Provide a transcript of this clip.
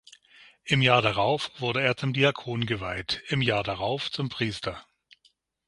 Im Jahr darauf wurde er zum Diakon geweiht, im Jahr darauf zum Priester.